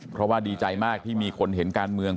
เพราะว่าดีใจมากที่มีคนเห็นการเมือง